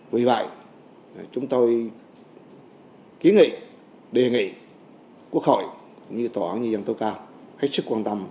vì vậy chúng tôi ký nghị đề nghị quốc hội như tòa án như dân tối cao hãy sức quan tâm